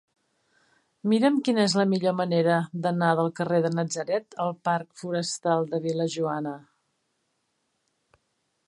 Mira'm quina és la millor manera d'anar del carrer de Natzaret al parc Forestal de Vil·lajoana.